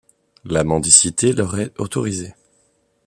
La mendicité leur est autorisée.